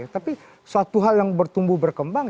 tapi suatu hal yang bertumbuh berkembang